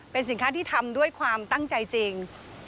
เป็นสินค้าที่ทำด้วยความตั้งใจจริง